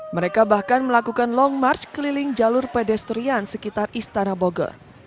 mereka bahkan melakukan long march keliling jalur pedestrian sekitar istana bogor